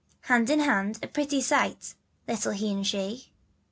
Hand in hand, a pretty sight, Little He and She.